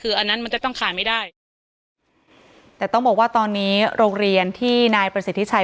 คืออันนั้นมันจะต้องขายไม่ได้แต่ต้องบอกว่าตอนนี้โรงเรียนที่นายประสิทธิชัย